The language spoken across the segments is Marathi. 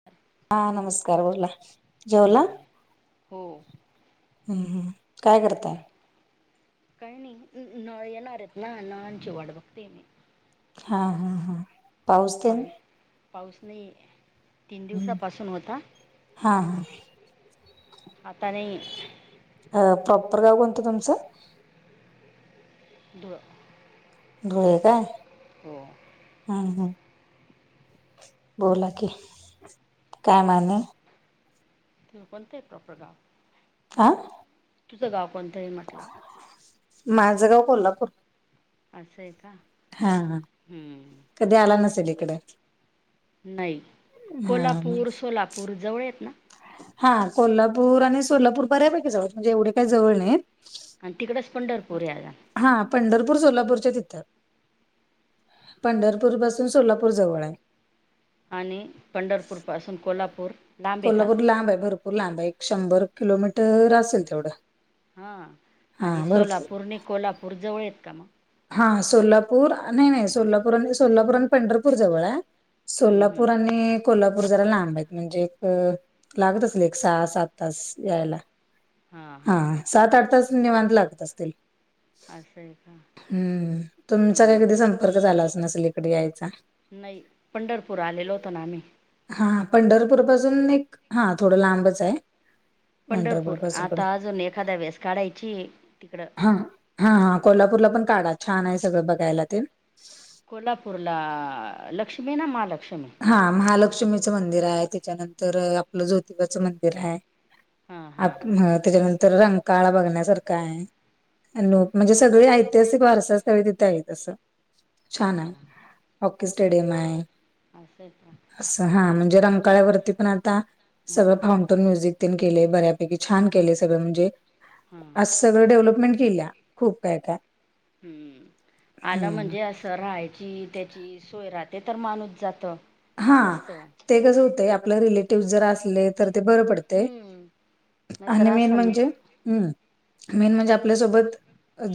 [inaudible] हा नमस्कार बोला, जेवला? हम्म हो हम्म ह. ब काय नाही नळ येणार आहेत ना नळांची वाट बघते मी हा हा हा. पाऊस तेन पाणी पाऊस नाही आहे. तीन हम्म. दिवसापासून होता हा आता नाहीये. अ प्रॉपर गाव कोणतं तुमचं? धुळं. धुळे काय? हो. हा हा. बोला की, काय म आणि? तुम्ही कोणतं आहेत प्रॉपर गाव? आ? तुझं गाव कोणत आहे म्हटलं माझं गाव कोल्हापूर असंय का? हा हा हम्म कधी आला नसेल इकडे. नाही. हा मग कोल्हापूर, सोलापूर जवळ आहेत ना? हा कोल्हापूर आणि सोलापूर बऱ्यापैकी जवळ म्हणजे एवढे काही जवळ नाहीत. आणि तिकडेच पंढरपूर आहे. हा पंढरपूर सोलापूरच्या तिथं. पंढरपूर पासून सोलापूर जवळ हाय. आणि पंढरपूर पासून कोल्हापूर? लांब आहे का कोल्हापूर लांब आहे भरपूर लांब आहे, एक शंभर किलोमीटर असेल तेवढं. हा हा आणि भरपूर सोलापूर आणि कोल्हापूर जवळ आहेत का मग? हा सोलापूर नाही नाही सोलापूर आणि सोलापूर आणि पंढरपूर जवळ हाय. हम्म सोलापूर हम्म आणि कोल्हापूर जरा लांब आहेत म्हणजे एक लागत असले एक सहा सात तास यायला हां सात-आठ तांस निवांत लागतं असतील. असं आहे का हम्मं तुमचा कांहीं कधीं हम्म संपर्क झालांच नसेल इकडे यांयचा. नाहीं पंढरपूर आलेलो होतो नां आम्हीं. हां पंढरपूर पासूंन एक हां थोडं लांबच आहे. पंढरपूर पासून पण आंता अजूंन एखाद्यां वेळेस काढांयचीय तिकडं. हां हां हां कोल्हापूंरला पणं कांढा छानं आहे सगळं बघांयला ते कोल्हापूंरला आं लक्ष्मी आहे नां महालक्ष्मी. हां महालक्ष्मीचं मंदिर आहे त्यांच्यानंतर आपलं ज्योतिबाचं मंदिर आहे. हां आप हां त्यांच्यानंतर रंकाळा बघण्यांसारख हांय. म्हणजे सगळें ऐतिहांसिक वारसां स्थळे तिथे आहेतं तसं छान हां आहे. स्टेडियंम आहे. असंय आहे कां. असं हां म्हणजे रमकाळ्यांवरती पणं आंता हां सगळं हां फाउं टंन म्युझिक तेनं केलंय बऱ्यांपैकी छान केलंय सगळं म्हणजे. हम्मं असं सगळं डेव्हलपमेंट केल्यां खूंप आहे आंता हम्मं आलं म्हणजे असं तरं राहांयची त्यांची सोय राहते तरं माणूंस जातो. हां ते कसं होतं आपलं रिलेटिव जरं असले तरं ते बरं पडते हम्म नाहीतर आणि मेन असं नाही म्हणजे मं मेन म्हणजे आपल्यांसोबत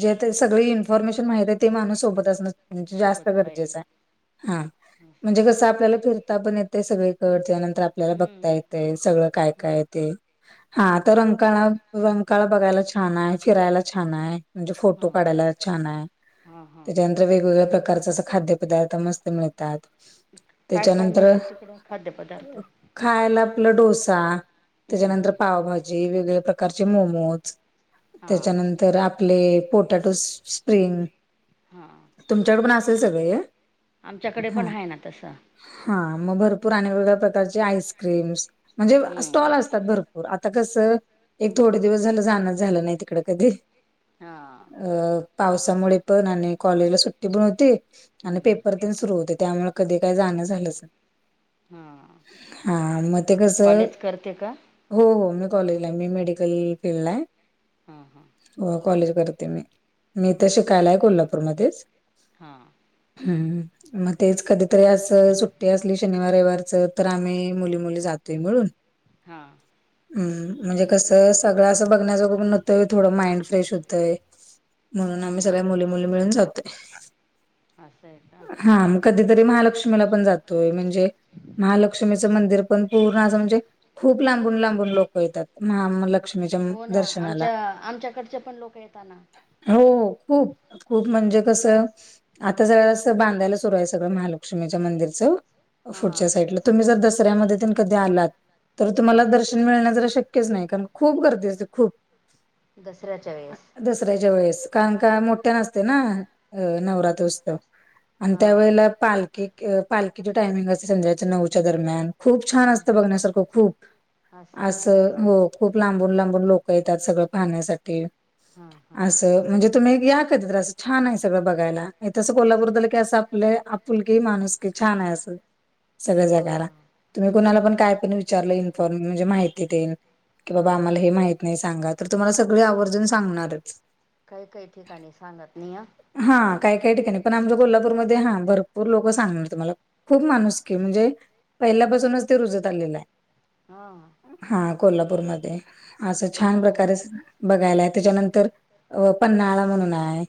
जे ते सगळी इन्फॉर्मेशन माहित आहे ते माणूंस सोबतं म्हणजे जास्तं सोबत पाहिजे गरजेच आहे हां म्हणजे कसं आपल्यला फिरतां पणं येतंय सगळीकडे त्यांनंतर आपल्यांला बघतां हम्म येतंय सगळं कायं कायं आहे ते. हां तरं रंकाळा रंकाळा बघांयला छान आहे फिरांयला छान आहे. म्हणजे फोटो हां काढांयला छान आहे हां हां त्यांच्यानंतर वेगवेगळ्यां प्रकारचा असं खाद्यंपदार्थ मस्तं मिळतांत काय काय त्यांच्यानंतर मिळतं तिकडं खाद्यपदार्थ खांयला आपलां डोसां हम्म त्यांच्यानंतर हम्म पावभाजी वेगवेगळ्यां प्रकारचें मोमोज हां त्यांच्यानंतर तरं आपले पोटॅटो स्प्रिंग. हां तुमच्याकडे पण असेल सगळे आमच्यांकडे पणं आहे नां तसं. हां मंग भरंपूर आणि वेगं वेेगळ्यां प्रकारचे आईस्क्रीम्स म्हणजे स्टॉल हम्म असतांत भरंपूर. हो आंता कसं एक थोडे दिवसं झालं जाणं झालं नाहीं तिकडं कधीं. हां अं पावसांमुळे पणं आणि कॉलेजलां सुट्टी पणं होती. हम्म आणि पेपर हम्म ते सुंरु होते त्यांमुळे कधीं कायं जाणं झालंच नाहीं. हां हां मंग ते कसं कॉलेज करते का हो हो मी कॉलेजला आहे मी मेडिकल फील्डला आहे. हां हां हो कॉलेज करते मी ईथ शिकांयला आहे कोल्हापूरमध्यें हां चं हम्मं मंग तेचं कधींतरी असं सुट्टी असली शनिवार रविवारचं. तरं आम्हीं मुली मुली जातोय मिळूंन. हां हम्मं म्हणजे कसं सगळं असं बघण्यांजोग पणं होतंय थोडं माइंड फ्रेश होतंय. म्हणूंन आम्हीं हम्म सगळ्यां मुली मुली मिळूंन जातोय. असंय आहे कां हां मंग कधीं तरी महालक्ष्मीला पण जातोय म्हणजे महालक्ष्मीचं मंदिर पण पूर्ण असं म्हणजे खूप लांबून लांबून लोकं येतात महामलक हो ना आमच्या आमच्याकडचे पण लोक येताना हो खूप खूप म्हणजे कसं आता जरास बांधायला सुरू आय तर महालक्ष्मीच्या मंदिरच पुढच्या हां साईडला तुम्ही जर दसऱ्यामध्ये तेनं कधी आलात तर हां तुम्हाला दर्शन मिळण जरा शक्यच नाय कारण खूप गर्दी असते खूप दसऱ्याच्या वेळेस. दसऱ्याच्या वेळेस कारणं का मोठ्यान असते ना अ नवरात्रोत्सव. आणि हां त्यावेळेला पालखी पालखीची टायमिंग असते संध्याच्या नऊच्या दरम्यान. खूप छान हां असत बघण्यासारखं खूप असं हो खूप लांबून लांबून लोक येतात सगळं पाहण्यासाठी हां हां अस म्हणजे तुम्ही या कधीतरी अस छान हाय सगळ बघायला हित अस कोल्हापूरात आलं की असं आपलय आप पुलकि माणूसकी छान आय असं. सगळ जगायला हां तुम्ही कुणाला पण काय पण विचारलं इन्फॉर्म म्हणजे माहिती तेन की हां बाबा हां आम्हाला हे माहित नाही सांगा तर तुम्हाला सगळे आवर्जून सांगणारच. काही काही ठिकाणी सांगत नाई आ हा काय काय ठिकाणी पण आमच्या कोल्हापूरमध्ये हां भर पूर लोक सांगणार तुम्हाला खूप माणुसकी म्हणजे पहिल्यापासूनच ते रुजत आलेलं आय. हा हा कोल्हापूरमध्ये असं छान प्रकारे आम्ही असं बघायलाय त्याच्यानंतर अ पन्हाळा म्हणून आय.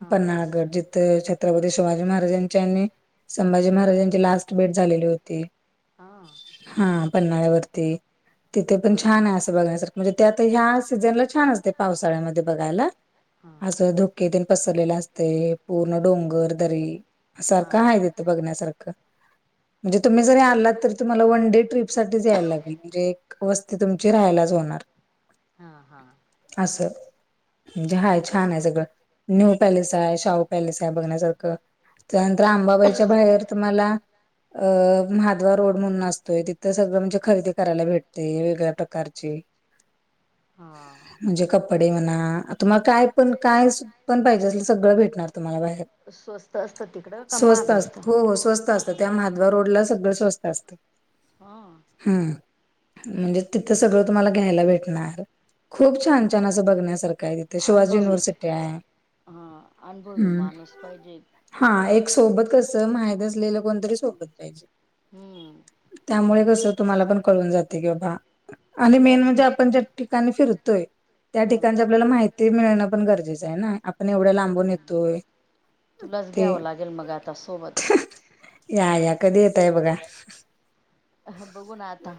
हां हां पन्नाळगड जिथं छत्रपती शिवाजी महाराजां त्यांनी संभाजी महाराजांची लास्ट भेट झालेली होती. हां हा पन्हाळ्यावरती तिथे पण हां. छान हाय असं बघण्यासारखं म्हणजे ते आता ह्या सीझनला छान असते पावसाळ्यामध्ये बघायला. हा असं धुकेतेन पसरलेला असतय पूर्ण डोंगर दरी हा सारखं हाय तिथं बघण्यासारखं म्हणजे तुम्ही जरी आलात तर तुम्हाला वन डे ट्रिप साठीच यायला लागेल म्हणजे वस्ती तुमची राहायलाच होणार. हा हा असं म्हणजे हाय छान हाय सगळं न्यू पॅलेस हाय, शाहू पॅलेस हाय बघण्यासारखं त्यानंतर आंबाबाईच्या बाहेर तुम्हाला अ म्हादवा रोड म्हणून असतोय तिथं सगळं म्हणजे खरेदी करायला भेटते वेगळ्या प्रकारची [unintelligible] हा म्हणजे कपडे म्हणा तुम्हाला काय पण काय सु पण पाहिजे असल सगळं भेटणार तुम्हाला बाहेर स्वस्त असतं तिकडं का स्वस्त महाग असत असतं. हो हो स्वस्त अस त्या माधवा रोड ला सगळं स्वस्त असतं. हा हम्म म्हणजे तिथं सगळं तुम्हाला घ्यायला भेटणार. खूप छान तिथं छान असं बघण्यासारखं हाय तिथे शिवाजी अनुभवी युनिव्हर्सिटी आय. हा अनुभवी माणूस पाहिजे. हा, तिकडं एक सोबत कसं माहित असलेलं कोणतरी सोबत न्यायचं. हम्म त्यामुळे कसं तुम्हाला पण कळून जाते की बाबा आणि मेन तुलाच म्हणजे घे आपण ज्या ठिकाणी फिरतोय त्या हा ठिकाणच आपल्याला माहि -ती मिळणं पण गरजेचं आहे ना आपण एवढ्या लांबून हम्म येतोय. तुलाच ते घ्यावं लागेल मग आता सोबत. या या, कधी येताय बघा? ह बघू ना आता,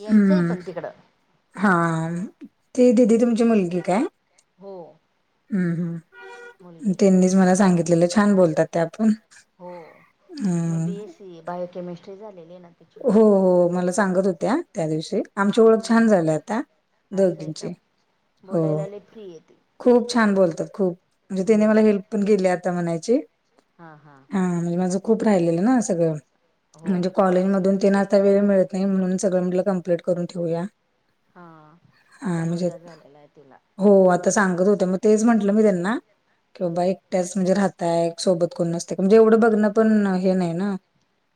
यायचंय पण तिकडं. हा ती तिथं तुमची मुलगी काय? हो! हम् हम्, मुलगी त्यांनीच मला सांगितलेलं छान बोलतात त्या पण. हो मग हम्म बी एस सी बायोकेमिस्ट्री झालेली ना तिची. हो हो, मला सांगत होत्या त्या दिवशी आमची ओळख हम्म छान झालीय आता. असं आहे का? दोघींची हो बोलायला लई फ्री आहे ती. खूप छान बोलतात खूप म्हणजे तिनी हम्म मला हेल्प पण केली आता म्हणायची. हा हा! आणि माझं खूप राहिलेलं ना सगळं हो म्हणजे कॉलेजमधून तिनं आता वेळ मिळत नाही म्हणून सगळं म्हटलं कम्प्लीट करून ठेवूया. हा, आता हा म्हणजे मुलगा झालेला आहे तिला. हो, आता सांगत होत मग तेच म्हंटलं मी त्यांना की हम्म बाबा एक [inaudible] म्हणजे राहताय सोबत कोण नसत म्हणजे एवढं बघणं पण हे नाही ना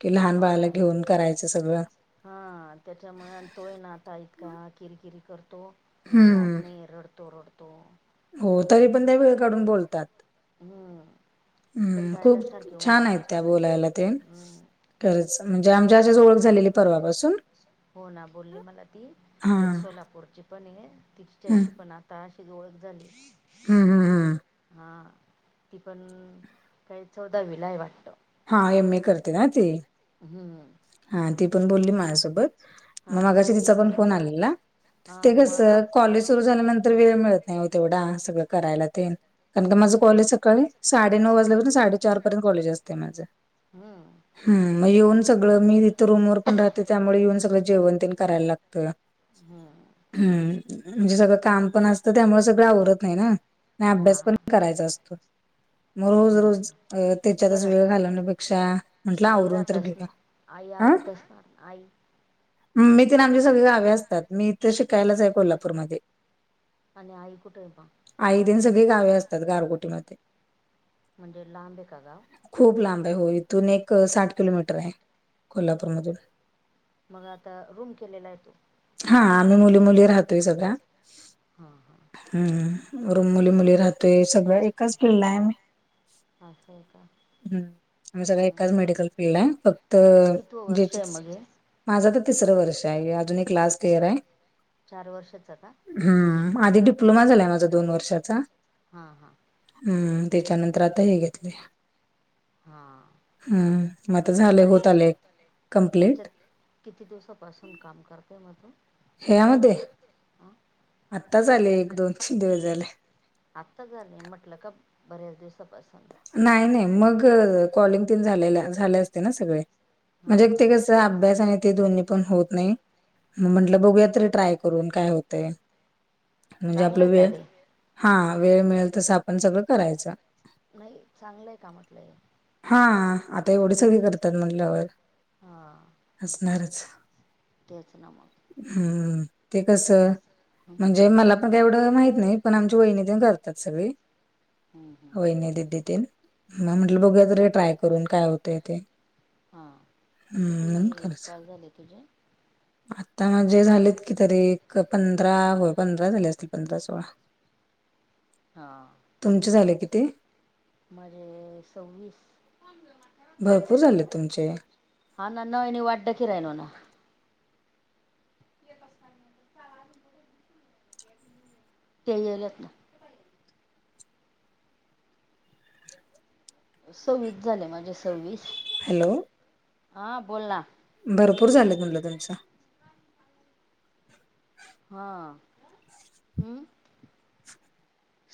कि लहान बाळाला घेऊन करायचं सगळं. हा, त्याच्यामुळे तो आहे ना आता इतका किरकिर करतो तो राहत हम्म नाही रडतो रडतो. हो, तरी पण त्या वेळ काढून बोलतात. हम्म कंटाळायला खूप सारखी होऊन छान आहेत जाते ती त्या बोलायला ते. हम्म खरंच म्हणजे आमच्या अशीच ओळख झालेली परवापासून हो ना, बोलली मला ती हा एक सोलापूरची पण आहे हम्म तिच्याशी पण आता अशीच ओळख झाली. हम् हम् हम्! हां, ती पण काय चौदावीलाय वाटतं. हा एम ए करते ना ते? हम्म! हा, ती पण बोलली माझ्यासोबत. मग हा माघाशी ती ति पण फोन मग आलेला, हा ते कस मग आप कॉलेज सुरू झाल्यानंतर वेळ मिळ नाही हो तेवढा सगळं करायला ते कारण की माझं हे किती कॉलेज सकाळी साडे नऊ वाजल्यापर्यंत साडेचार पर्यंत कॉलेज असते माझं. हम्म हम, मग येऊन सगळं मी तथं रूम वर पण राहते त्यामुळे येऊन सगळं जेवण ते करायला लागतं. हम्म, म्हणजे सगळं काम पण असत त्यामुळे सगळं आवरत नाही ना आणि हा अभ्यास पण करायचा असतो. मग रोज रोज हम्म त्याच्यातच वेळ घरात घालवण्यापेक्षा म्हटलं आई आवरून राहत तर घेऊया. असणार आई आवरत असणार? आई मी [inaudible] आमची सगळी गावे असतात, मी इथे शिकायलाच आहे कोल्हापूरमध्ये आणि आई कुठे आहे मग? आई तेन सगळी गावी असतात गारगोटीमध्ये. म्हणजे लांबे आहे का गाव? खूप लांब आहे., हो इथून एक साठ किलोमीटर आहे कोल्हापूरमधून मग आता रूम केलेला आहे तो हा आम्ही मुली -मुली राहतोय सगळ्या हा- हा- हम् वर मुली -मुली राहतोय, सगळं एकच फिल्ड ला आहे आम्ही असं आहे का हम्म आम्ही सगळ्या हम्म एकाच मेडिकल फिल्ड ला आहे फक्त तर कितवं जे वर्ष आहे मग हे माझं तर तिसरं वर्ष आहे अजून एक लास्ट इयर आहे. चार वर्षाचा का? हम् आधी डिप्लोमा झालाय माझा दोन वर्षाचा हा- हा हम्म.. त्याच्यानंतर आता हे घेतले. हा हम्म अता झाले त्याने होते. याच्यात किती दिवसापासून काम करते मग तू हे यामध्ये अ आत्ताच आले एक, दोन, तीन दिवस झाले. आत्ता आले नाही म्हटलं का बऱ्याच दिवसापासून नाही- नाही मग कॉलिंग तन झाले, झाले असते ना सगळे हा म्हणजे ते हा कस अभ्यास आणि ते दोन्ही पण होत नाही. मग म्हंटलं बघूया ततरी ट्राय करून काय होते. म्हणजे चांगलं आहे आपलं का वेळ ते हा, वेळ मिळेल तस आपण सगळं करायचं. नाही चांगलंय का म्हटलंय? हा आता एवढी सगळे करतात म्हटल्यावर हा असणारच तेच ना मग हम्म ते कस म्हणजे मला ऐवढ माहीत नाही पण आमची वहीनी करतात सगळी मग म्हटलं बघू त ते ट्राय करून काय होतय ते? हां मग हं, किती म्हणून करायचं. कॉल झाले तुझे आता म्हणजे झालेत कि तरी एक पंधरा होय पंधरा झाले असतील पंधरा सोळा हा तुमचे झाले किती माझे सव्वीस भरपूर झाले तुमचे हा ना न वाटदाची राहिल ना येत असताना ते येल आहेत ना सव्वीस झाले माझे सव्वीस हॅलो हां बोल ना भरपूर झालं म्हणल तुमच्या हां हम्म